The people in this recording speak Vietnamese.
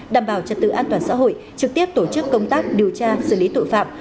đảm bảo trật tự an toàn xã hội trực tiếp tổ chức công tác điều tra xử lý tội phạm